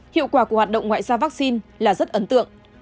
hiệu quả của hoạt động ngoại giao vaccine là rất ấn tượng